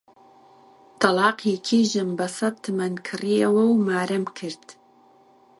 تەڵاقی کیژم بە سەد تمەن کڕیەوە و مارەم کرد